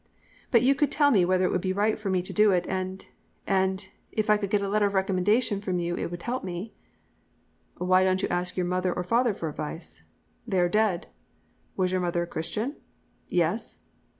"'But you could tell me whether it would be right for me to do it, and and if I could get a letter of recommendation from you it would help me.' "'Why don't you ask your mother or father for advice?' "'They are dead.' "'Was your mother a Christian?' "'Yes.'